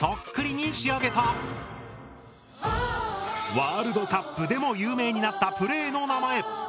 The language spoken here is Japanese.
ワールドカップでも有名になったプレーの名前！